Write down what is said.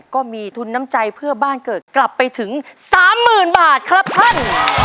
ก็มีทุนน้ำใจเพื่อบ้านเกิดกลับไปถึง๓๐๐๐บาทครับท่าน